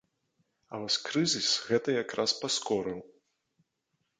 А вось крызіс гэта як раз паскорыў!